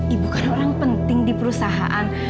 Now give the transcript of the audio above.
ibu kan orang penting di perusahaan